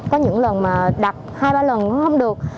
có những lần mà đặt hai ba lần nó không được